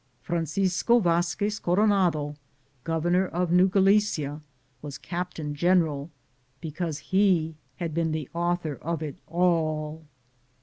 Francisco Vazquez Coronado, governor of New Galicia, was captain general, because he had been the author of it all.